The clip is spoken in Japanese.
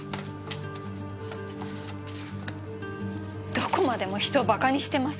どこまでも人を馬鹿にしてます。